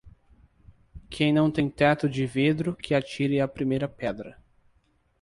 Quem não tem teto de vidro que atire a primeira pedra